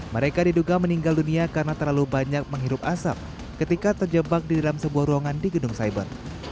mereka diduga meninggal dunia karena terlalu banyak menghirup asap ketika terjebak di dalam sebuah ruangan di gedung cyber